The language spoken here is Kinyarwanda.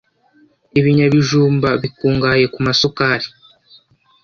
ibinyabijumba bikungahaye ku masukari.